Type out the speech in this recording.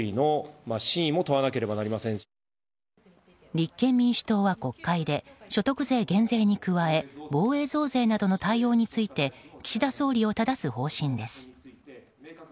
立憲民主党は国会で所得税減税に加え防衛増税などの対応について岸田総理をただす方針です。